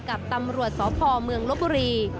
กับตำรวจสพเมืองลบบุรี